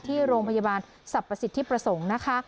ที่โรงพยาบาลสรรพสิทธิประสงค์นะคะ